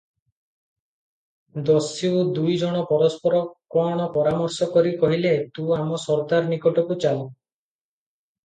ଦସ୍ୟୁ ଦୁଇ ଜଣ ପରସ୍ପର କଣ ପରାମର୍ଶ କରି କହିଲେ, "ତୁ ଆମ ସର୍ଦ୍ଦାର ନିକଟକୁ ଚାଲ ।